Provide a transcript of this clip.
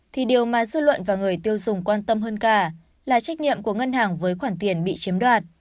thì điều mà dư luận và người tiêu dùng quan tâm hơn cả là trách nhiệm của ngân hàng với khoản tiền bị chiếm đoạt